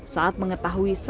saat mengetahui selamatnya